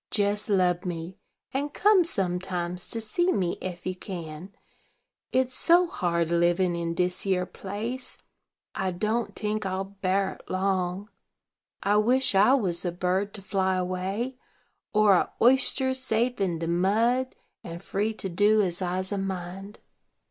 Jes lub me, and come sometimes to see me ef you can, it's so hard livin' in dis yere place. I don't tink I'll bar it long. I wish I was a bird to fly away, or a oyster safe in de mud, and free to do as I's a mind."